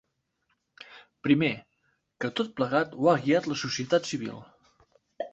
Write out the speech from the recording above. Primer, que tot plegat ho ha guiat la societat civil.